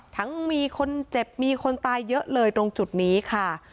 ทั้งมีคนเจ็บมีคนตายเยอะเลยตรงจุดนี้ค่ะ